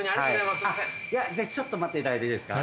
ちょっと待っていただいていいですか？